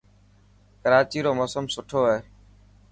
ڪراچي رو موسم سٺو هي.